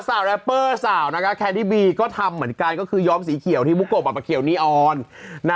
แรปเปอร์สาวนะคะแคนดี้บีก็ทำเหมือนกันก็คือย้อมสีเขียวที่บุโกะเขียวนีออนนะ